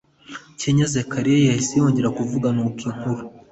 kanya Zekariya yahise yongera kuvuga Nuko inkuru